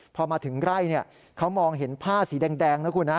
พอมาถึงไร่เขามองเห็นผ้าสีแดงนะคุณฮะ